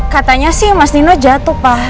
katanya sih mas dino jatuh pak